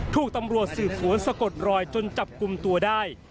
ถูกตำรวจสืบสวนสะกดรอยจนจับกลุ่มตัวได้